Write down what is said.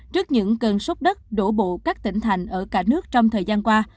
trước những cơn sốt đất đổ bộ các tỉnh thành ở cả nước trong thời gian qua